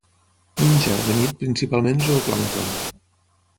Menja, de nit, principalment zooplàncton.